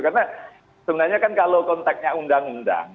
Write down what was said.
karena sebenarnya kan kalau konteknya undang undang